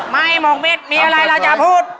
หมกเม็ดมีอะไรเราจะพูด